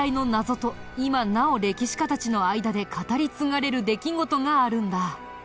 今なお歴史家たちの間で語り継がれる出来事があるんだ。